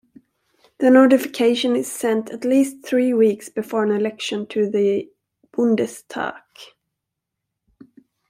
The notification is sent at least three weeks before an election to the" Bundestag".